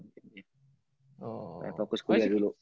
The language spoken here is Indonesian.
pengen fokus kuliah dulu